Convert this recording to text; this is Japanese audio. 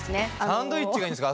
サンドイッチがいいんですか？